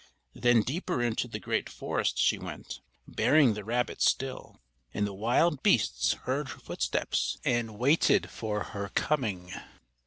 Then deeper into the great forest she went, bearing the rabbit still; and the wild beasts heard her footsteps, and waited for her coming.